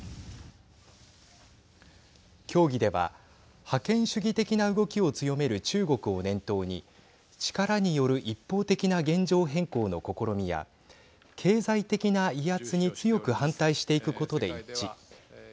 協議では覇権主義的な動きを強める中国を念頭に力による一方的な現状変更の試みや経済的な威圧に強く反対していくことで一致。